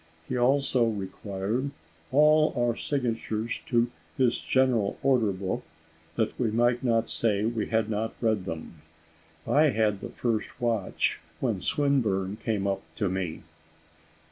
He also required all our signatures to his general order book, that we might not say we had not read them. I had the first watch, when Swinburne came up to me.